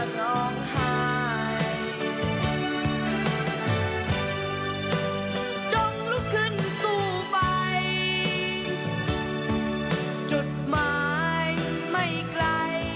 สวัสดีค่ะสวัสดีค่ะ